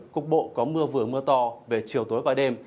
cục bộ có mưa vừa mưa to về chiều tối và đêm